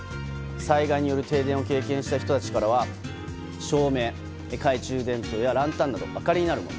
災害による停電を経験した人たちからは照明、懐中電灯やランタンなど明かりになるもの。